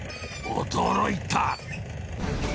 驚いた！